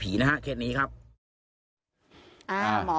พี่ทีมข่าวของที่รักของ